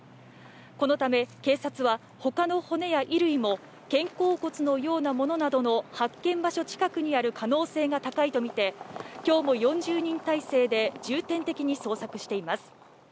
このため警察は他の骨や衣類も肩甲骨のようなものなどの発見場所近くにある可能性が高いとみて、今日も４０人態勢で重点的に捜索しています。